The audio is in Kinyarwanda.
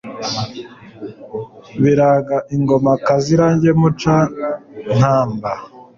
Biraga ingoma Kazirage Muca-nkamba